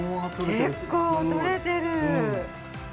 結構取れてる。